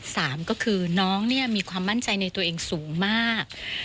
สามก็คือน้องเนี่ยมีความมั่นใจในตัวเองสูงมาก